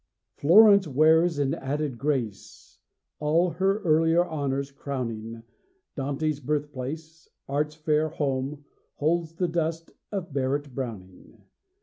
FLORENCE wears an added grace, All her earlier honors crowning; Dante's birthplace, Art's fair home, Holds the dust of Barrett Browning.